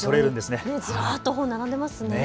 ずらっと本、並んでいますね。